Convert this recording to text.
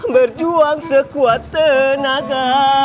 berjuang sekuat tenaga